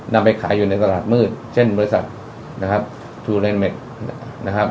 นำไปขายอยู่ในตลาดมืดเช่นบริษัทนะครับทูเรนเมคนะครับ